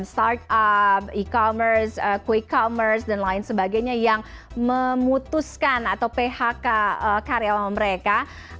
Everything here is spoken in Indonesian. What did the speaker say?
start up e commerce quick commerce dan lain sebagainya yang memutuskan atau phk karya orang mereka